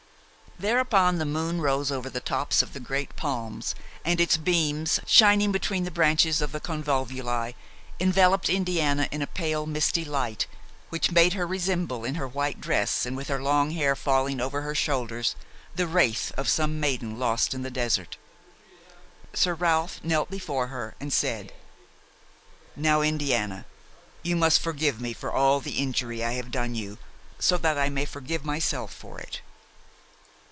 Thereupon, the moon rose over the tops of the great palms, and its beams, shining between the branches of the convolvuli, enveloped Indiana in a pale, misty light which made her resemble, in her white dress and with her long hair falling over her shoulders, the wraith of some maiden lost in the desert. Sir Ralph knelt before her and said: "Now, Indiana, you must forgive me for all the injury I have done you, so that I may forgive myself for it."